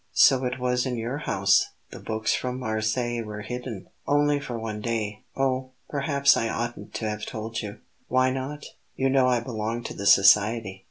So it was in your house the books from Marseilles were hidden?" "Only for one day. Oh! perhaps I oughtn't to have told you." "Why not? You know I belong to the society.